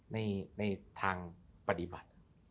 ในทางปฏิบัติ